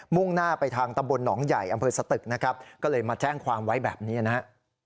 ่งหน้าไปทางตำบลหนองใหญ่อำเภอสตึกนะครับก็เลยมาแจ้งความไว้แบบนี้นะฮะ